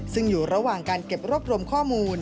ซึ่งอยู่ระหว่างการเก็บรวบรวมข้อมูล